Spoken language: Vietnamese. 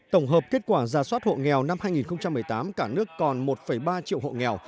tổng hợp kết quả ra soát hộ nghèo năm hai nghìn một mươi tám cả nước còn một ba triệu hộ nghèo